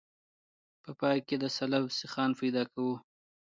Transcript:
په پای کې د سلب سیخان پیدا کوو